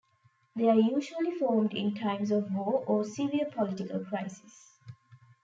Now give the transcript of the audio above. They are usually formed in times of war or severe political crisis.